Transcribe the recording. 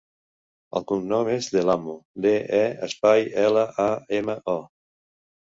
El cognom és De Lamo: de, e, espai, ela, a, ema, o.